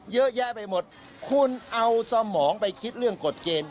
เยอะแยะไปหมดคุณเอาสมองไปคิดเรื่องกฎเกณฑ์